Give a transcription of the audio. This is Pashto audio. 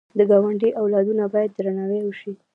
د ګاونډي اولادونه باید درناوی وشي